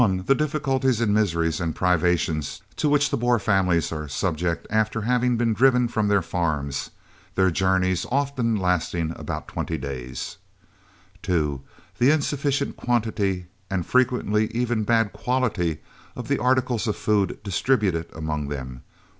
The difficulties and misery and privations to which the Boer families are subject after having been driven from their farms (their journeys often lasting about 20 days). 2. The insufficient quantity and frequently even bad quality of articles of food distributed among them.